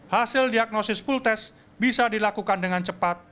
hasil diagnosis full test bisa dilakukan dengan cepat